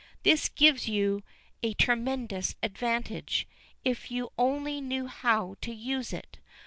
This gives you a tremendous advantage if you only know how to use it.